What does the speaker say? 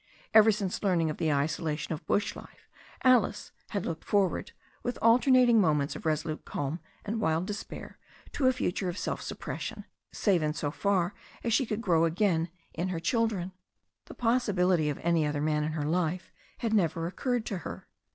Ever since learning of the isolation of the bush life, Alice had looked forward, with alternating moments of resolute calm and wild despair, to a future of self suppression save in so far as she could grow again in her children. The pos sibility of any other man in her life had never occurred to her.